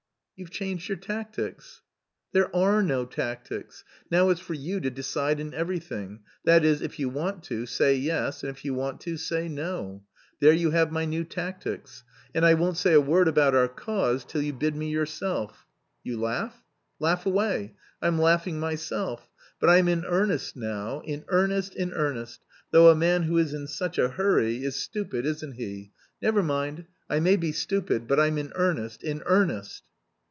"You've changed your tactics?" "There are no tactics. Now it's for you to decide in everything, that is, if you want to, say yes, and if you want to, say no. There you have my new tactics. And I won't say a word about our cause till you bid me yourself. You laugh? Laugh away. I'm laughing myself. But I'm in earnest now, in earnest, in earnest, though a man who is in such a hurry is stupid, isn't he? Never mind, I may be stupid, but I'm in earnest, in earnest."